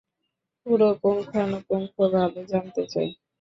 পুরো পুঙ্খানুপুঙ্খভাবে জানতে চাই।